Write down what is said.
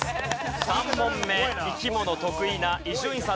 ３問目生き物得意な伊集院さんの問題。